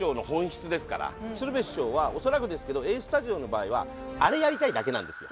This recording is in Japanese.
鶴瓶師匠は恐らくですけど『Ａ−Ｓｔｕｄｉｏ』の場合はあれやりたいだけなんですよ。